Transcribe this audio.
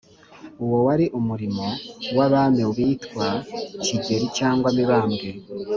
uwo wari umurimo w'abami bitwa kigeri cg mibambwe